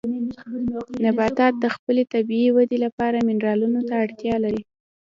نباتات د خپلې طبیعي ودې لپاره منرالونو ته اړتیا لري.